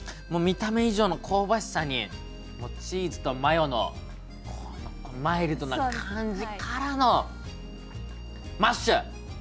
見た目以上の香ばしさにチーズとマヨのマイルドな感じからのマッシュ！